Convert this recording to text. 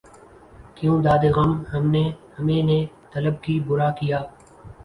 کیوں دادِ غم ہمیں نے طلب کی، بُرا کیا